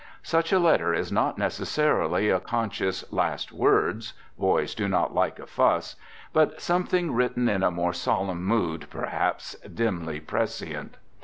Such a letter is not necessarily a conscious "last word" (boys do not like a fuss), but something written in a more solemn mood, per haps dimly prescient.